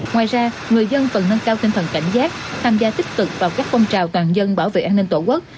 ngoài ra người dân cần nâng cao tinh thần cảnh giác tham gia tích cực vào các phong trào toàn dân bảo vệ an ninh tổ quốc